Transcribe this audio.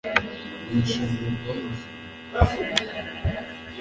Nishimiye kuba muzima